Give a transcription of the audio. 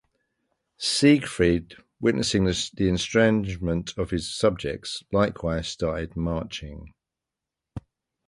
Siegfried, witnessing the estrangement of his subjects, likewise started marching.